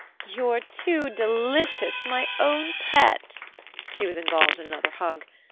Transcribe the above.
"You're too delicious, my own pet!" she was involved in another hug.